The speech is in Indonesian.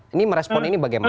ini merespon ini bagaimana